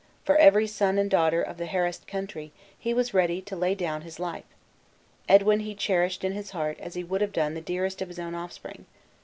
For every son and daughter of that harassed country, he was ready to lay down his life. Edwin he cherished in his heart as he would have done the dearest of his own offspring.